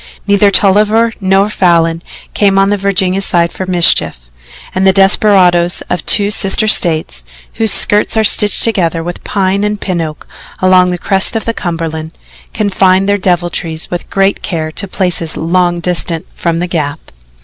Neither Tolliver nor Falin came on the Virginia side for mischief, and the desperadoes of two sister States, whose skirts are stitched together with pine and pin oak along the crest of the Cumberland, confined their deviltries with great care to places long distant from the Gap.